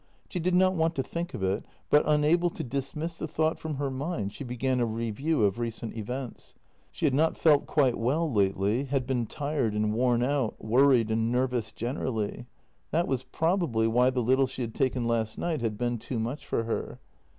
She did not want to think of it, but, unable to dismiss the thought from her mind, she began a review of recent events. She had not felt quite well lately, had been tired and worn out, worried and nervous gen erally; that was probably why the little she had taken last night had been too much for her.